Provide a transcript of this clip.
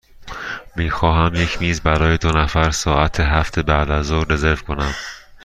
می خواهم یک میز برای دو نفر ساعت هفت بعدازظهر رزرو کنم.